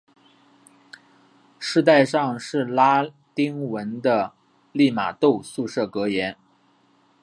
饰带上是拉丁文的利玛窦宿舍格言。